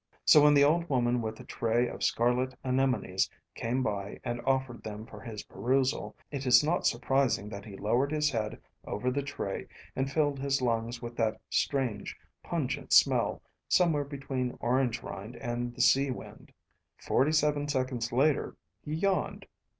So when the old woman with a tray of scarlet anemones came by and offered them for his perusal, it is not surprising that he lowered his head over the tray and filled his lungs with that strange, pungent smell somewhere between orange rind and the sea wind. Forty seven seconds later, he yawned.